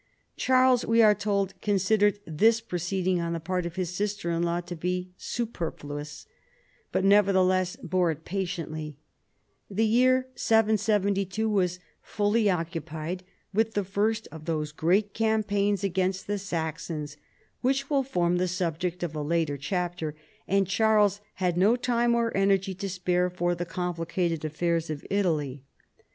Charles, we are told, considered this proceeding on the part of his sister in law to be " superfluous," but neverthe less bore it patientl3^ The year 772 was fully occu pied with the first of those great campaigns against the Saxons which will form the subject of a later chapter ; and Charles had no time or energy to spare for the complicated affairs of Italy.